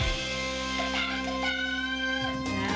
ดัง